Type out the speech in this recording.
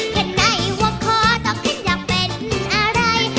แค่ไหนว่าคอต้องคิดอยากเป็นอะไร